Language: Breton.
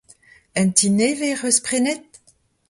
Un ti nevez 'c'h eus prenet ?